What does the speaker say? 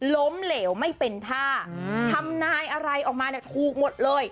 ล้มเหลวไม่เป็นท่าทำนายอะไรออกมาเนี่ยถูกหมดเลย